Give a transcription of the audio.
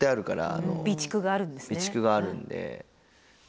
備蓄があるんですね。